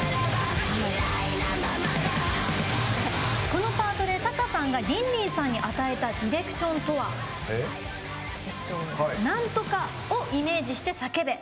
このパートで Ｔａｋａ さんがリンリンさんに与えたディレクションとは「なんとか」をイメージして叫べ。